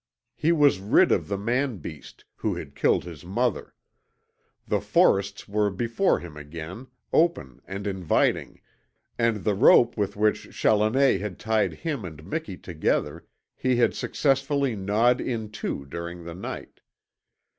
He was rid of the man beast, who had killed his mother; the forests were before him again, open and inviting, and the rope with which Challoner had tied him and Miki together he had successfully gnawed in two during the night.